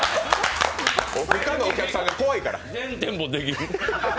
他のおきゃくさんが怖いから。